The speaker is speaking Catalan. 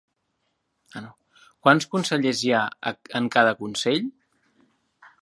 Quants consellers hi ha en cada consell?